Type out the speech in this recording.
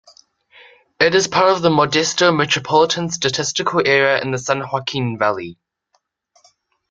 It is part of the Modesto Metropolitan Statistical Area in the San Joaquin Valley.